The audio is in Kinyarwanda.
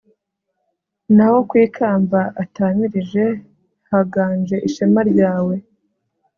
naho ku ikamba atamirije haganje ishema ryawe